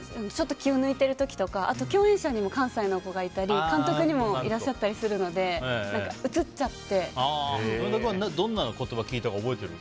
気を抜いてる時とかあと、共演者に関西の方がいたり監督にもいらっしゃったりするので山田君はどんな言葉を聞いたか覚えてる？